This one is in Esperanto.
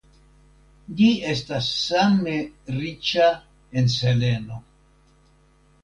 Ĝi estas same riĉa en seleno.